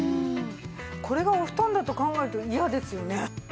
これがお布団だと考えると嫌ですよね。